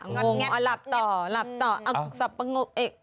งงหลับต่อหลับต่อสับปะโงก